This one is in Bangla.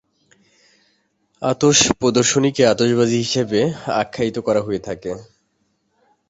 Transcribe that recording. আতশ প্রদর্শনীকে আতশবাজি হিসেবে আখ্যায়িত করা হয়ে থাকে।